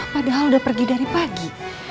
padahal udah pergi dari pagi